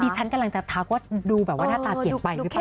ฉันกำลังจะทักว่าดูแบบว่าหน้าตาเปลี่ยนไปหรือเปล่า